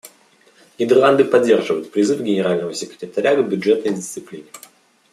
Нидерланды поддерживают призыв Генерального секретаря к бюджетной дисциплине.